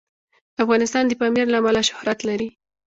افغانستان د پامیر له امله شهرت لري.